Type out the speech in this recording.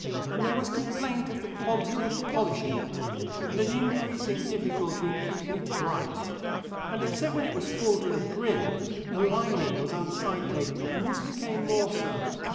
And there was complaint of the quantity of polishing it needed, and an increasing difficulty in keeping it bright. And except when it was full to the brim, the lining was unsightly; and this became more so.